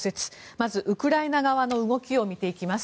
まずウクライナ側の動きを見ていきます。